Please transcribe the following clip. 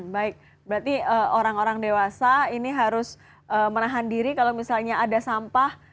baik berarti orang orang dewasa ini harus menahan diri kalau misalnya ada sampah